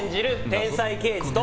天才刑事と。